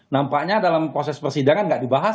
nampaknya dalam proses persidangan tidak dibahas